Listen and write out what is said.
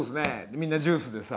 みんなジュースでさ